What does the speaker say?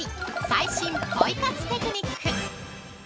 最新ポイ活テクニック。